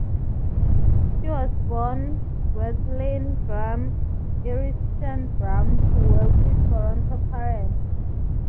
She was born Gwethalyn Graham Erichsen-Brown, to wealthy Toronto parents.